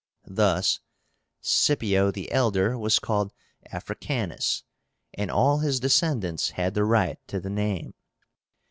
Thus Scipio the elder was called AFRICÁNUS, and all his descendants had the right to the name.